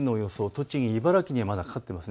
栃木、茨城にはまだかかっています。